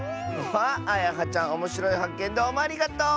あやはちゃんおもしろいはっけんどうもありがとう！